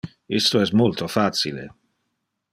Isto es multo facile.